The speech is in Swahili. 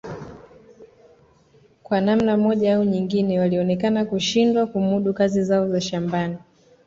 kwa namna moja au nyingine walionekana kushindwa kumudu kazi zao za shambani